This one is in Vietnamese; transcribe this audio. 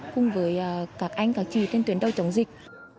cùng với các anh các chị trên tuyến đầu chống dịch